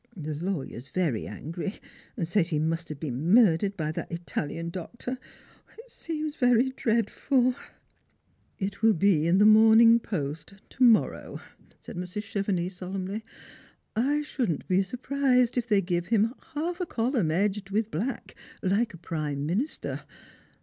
The lawyer is very angry, and says he must have been murdered by that Italian doctor. It seems very dreadful." " It will be in the ilf or wz)if/ Post to morrow," said Mrs. Cheve nix solemnly. " I shouldn't be surprised if they gave him half a column edged with black, like a prime minister.